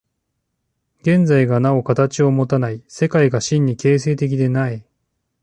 現在がなお形をもたない、世界が真に形成的でない。